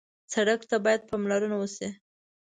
سړک ته باید پاملرنه وشي.